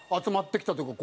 集まってきたん？